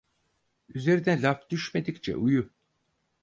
Üzerine laf düşmedikçe uyu.